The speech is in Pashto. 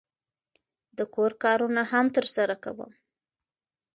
د کور کارونه هم ترسره کوم.